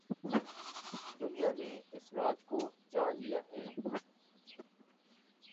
دنیا نے اس راز کو جان لیا ہے۔